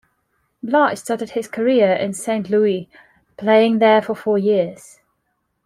Bly started his career in Saint Louis, playing there for four years.